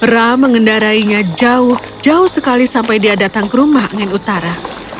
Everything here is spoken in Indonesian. pra mengendarainya jauh jauh sekali sampai dia datang ke rumah angin utara